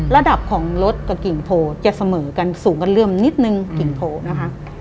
ระดับของรถกับกิ่งโพลจะเสมอกันสูงกันเลื่อมนิดนึงกิ่งโพลนะคะ